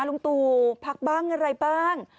ลุงตู่พักบ้างอะไรบ้าง